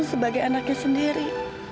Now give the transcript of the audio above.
sebagai anaknya sendiri